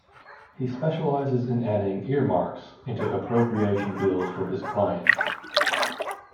He specializes in adding "earmarks" into appropriation bills for his clients.